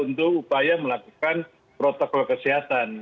untuk upaya melakukan protokol kesehatan